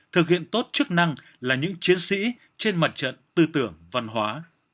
thực hiện tốt chức năng là những chiến sĩ trên mặt trận tư tưởng văn hóa